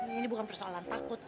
ini bukan persoalan takut